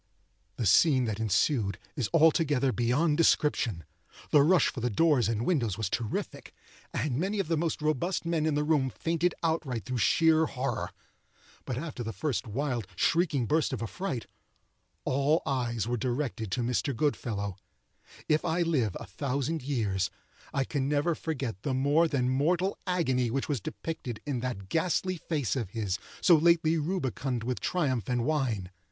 The scene that ensued is altogether beyond description. The rush for the doors and windows was terrific, and many of the most robust men in the room fainted outright through sheer horror. But after the first wild, shrieking burst of affright, all eyes were directed to Mr. Goodfellow. If I live a thousand years, I can never forget the more than mortal agony which was depicted in that ghastly face of his, so lately rubicund with triumph and wine.